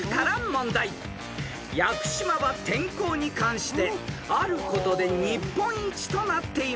［屋久島は天候に関してあることで日本一となっています］